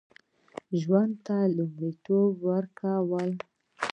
ژوند ته لومړیتوب ورکړو